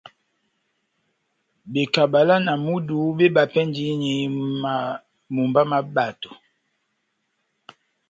Bekabala na myudu mébapɛndini mumba má bato.